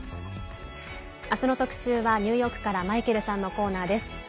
あすの特集はニューヨークからマイケルさんのコーナーです。